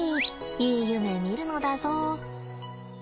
いい夢見るのだぞ。